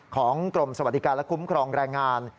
ของกรมสวัสดิการและคุ้มครองแรงงาน